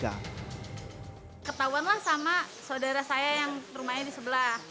ketahuan lah sama saudara saya yang rumahnya di sebelah